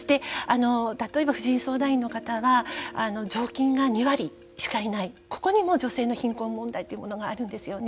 例えば婦人相談員の方は常勤が２割しかいないここでも女性の貧困問題というのがあるんですよね。